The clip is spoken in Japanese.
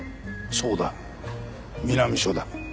そうだ南署だ。